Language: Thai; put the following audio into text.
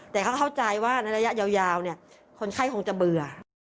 แต่เขาเข้าใจว่าในระยะยาวคนไข้คงจะเบื่อ